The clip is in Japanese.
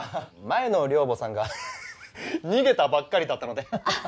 前の寮母さんが逃げたばっかりだったのであっ